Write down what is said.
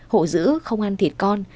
hổ dữ không ăn thịt con